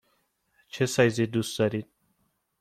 چه سایزی دوست دارید؟